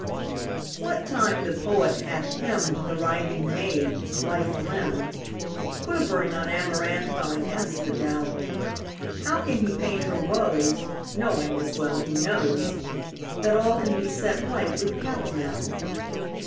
What time the poet hath hymned The writhing maid, lithe limbed, Quivering on amaranthine asphodel, How can he paint her woes, Knowing, as well he knows, That all can be set right with calomel?